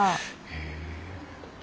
へえ。